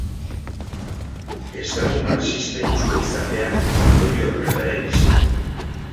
Ez dago marxista itsua izan beharrik ondorio horretara iristeko.